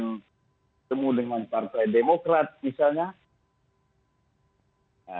ketemu dengan partai demokrat misalnya